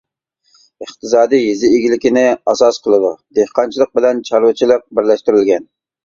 ئىقتىسادى يېزا ئىگىلىكىنى ئاساس قىلىدۇ، دېھقانچىلىق بىلەن چارۋىچىلىق بىرلەشتۈرۈلگەن.